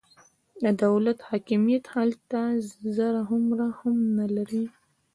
د دولت حاکمیت هلته ذره هومره هم نه لري.